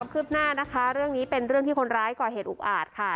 คืบหน้านะคะเรื่องนี้เป็นเรื่องที่คนร้ายก่อเหตุอุกอาจค่ะ